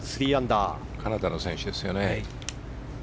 カナダの選手ですね。